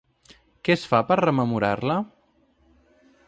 Què es fa per rememorar-la?